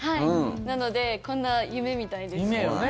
なので、こんな夢みたいです。